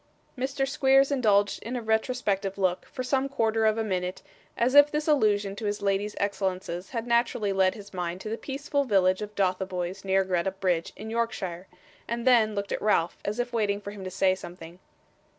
Mr. Squeers indulged in a retrospective look, for some quarter of a minute, as if this allusion to his lady's excellences had naturally led his mind to the peaceful village of Dotheboys near Greta Bridge in Yorkshire; and then looked at Ralph, as if waiting for him to say something.